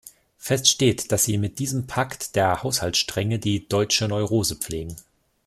Fest steht, dass Sie mit diesem Pakt der Haushaltsstrenge die deutsche Neurose pflegen.